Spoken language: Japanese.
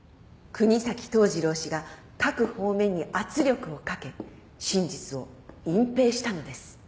國東統次郎氏が各方面に圧力をかけ真実を隠蔽したのです。